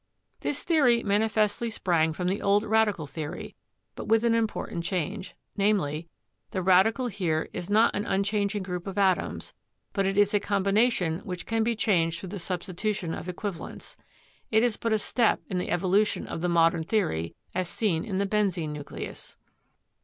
This theory manifestly sprang from the old radical the ory, but with an important change, namely: the radical here is not an unchanging group of atoms, but it is a combination which can be changed through the substitu tion of equivalents. It is but a step in the evolution of the modern theory, as seen in the benzene nucleus.